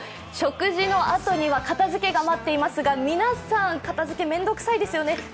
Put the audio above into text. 食事のあとには片づけが待っていますが、皆さん片づけ面倒くさいですよね。